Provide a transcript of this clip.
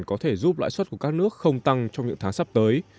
có thể giúp lãi suất của các nước không tăng trong những tháng sắp tới